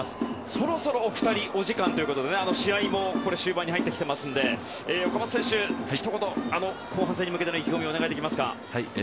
そろそろお二人お時間ということで試合も終盤に入っていますので岡本選手、ひと言後半戦に向けてお願いできますか。